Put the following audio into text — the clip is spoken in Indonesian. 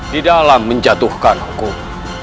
di dalam menjatuhkan hukum